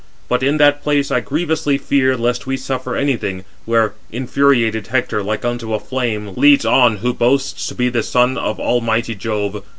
But in that place I grievously fear lest we suffer any thing, where infuriated Hector, like unto a flame, leads on who boasts to be the son of almighty Jove.